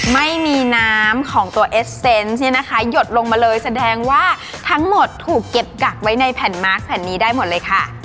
ไม่มีน้ำของตัวเอสเซนต์เนี่ยนะคะหยดลงมาเลยแสดงว่าทั้งหมดถูกเก็บกักไว้ในแผ่นมาร์คแผ่นนี้ได้หมดเลยค่ะ